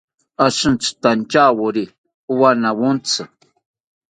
Ashintzitantyawori owanawontzi